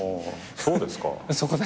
そうですか。